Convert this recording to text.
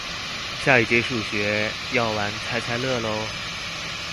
下一節數學，要玩猜猜樂囉